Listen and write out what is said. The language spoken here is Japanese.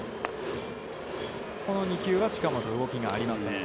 この２球は近本動きがありません。